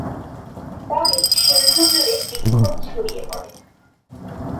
পরে সিন্ধু জুড়ে বিক্ষোভ ছড়িয়ে পড়ে।